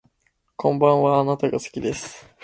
こんばんはあなたが好きです